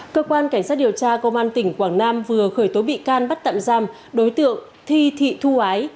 cơ quan cảnh sát điều tra công an tỉnh quảng nam vừa khởi tố bị can bắt tạm giam đối tượng thi thị thu ái